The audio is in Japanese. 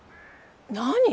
何？